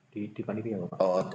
di pandemi apa pak